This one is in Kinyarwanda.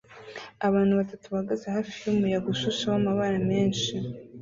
Abantu batatu bahagaze hafi yumuyaga ushushe wamabara menshi